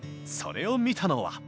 それを見たのは。